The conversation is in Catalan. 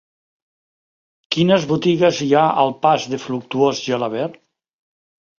Quines botigues hi ha al pas de Fructuós Gelabert?